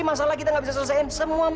kau tahu manaiersa